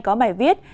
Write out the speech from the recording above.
có bài viết